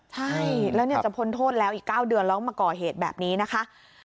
ใช่แล้วจะพ้นโทษแล้วอีก๙เดือนแล้วมาก่อเหตุแบบนี้นะคะ